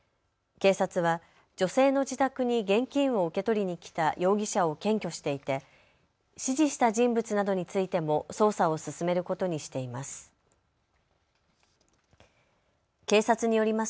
警察は女性の自宅に現金を受け取りに来た容疑者を検挙していて指示した人物などについても捜査を進めることにしています。